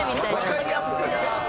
わかりやすいな！